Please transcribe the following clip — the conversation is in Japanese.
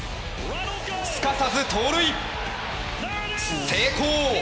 すかさず盗塁成功！